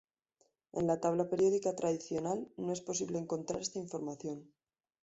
En la tabla periódica tradicional no es posible encontrar esta información.